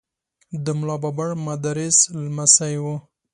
د ملا بابړ مدرس لمسی و.